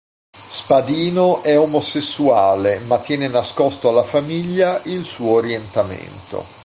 Spadino è omosessuale ma tiene nascosto alla famiglia il suo orientamento.